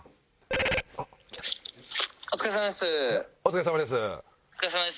お疲れさまです。